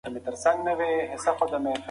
زه به دا قرانشریف ښکل کړم.